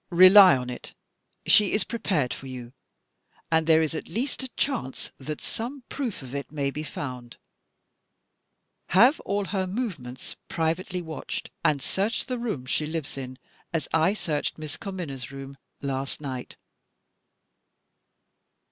Rely on it, she is prepared for you and there is at least a chance that some proof of it may be found. Have all her movements privately watched and search the room she lives in, as I searched Miss Carmina's room last night."